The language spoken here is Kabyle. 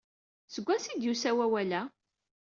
Seg wansi ay d-yusa wawal-a?